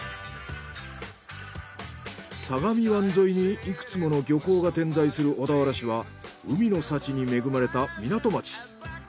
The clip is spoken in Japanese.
相模湾沿いにいくつもの漁港が点在する小田原市は海の幸に恵まれた港町。